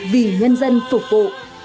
vì nhân dân phục vụ